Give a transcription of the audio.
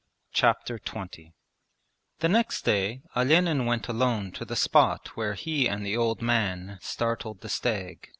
Chapter XX The next day Olenin went alone to the spot where he and the old man startled the stag.